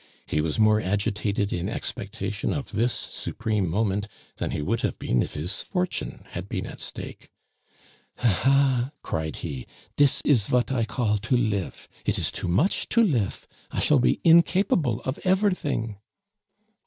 He was more agitated in expectation of this supreme moment than he would have been if his fortune had been at stake. "Ah, ha!" cried he, "dis is vat I call to lif it is too much to lif; I shall be incapable of everything."